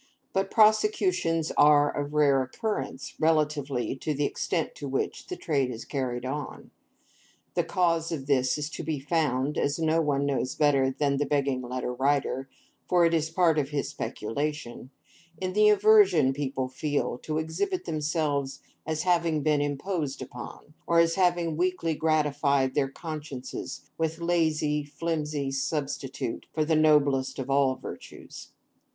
But, prosecutions are of rare occurrence, relatively to the extent to which the trade is carried on. The cause of this is to be found (as no one knows better than the Begging Letter Writer, for it is a part of his speculation) in the aversion people feel to exhibit themselves as having been imposed upon, or as having weakly gratified their consciences with a lazy, flimsy substitute for the noblest of all virtues.